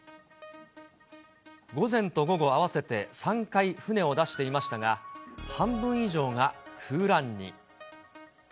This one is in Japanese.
午前と午後合わせて３回、船を出していましたが、半分以上が空欄に。